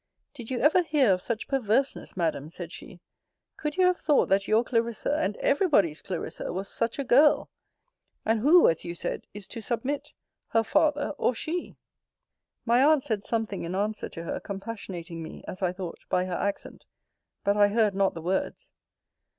Did you ever hear of such perverseness, Madam? said she: Could you have thought that your Clarissa and every body's Clarissa, was such a girl? And who, as you said, is to submit, her father or she? My aunt said something in answer to her, compassionating me, as I thought, by her accent: but I heard not the words.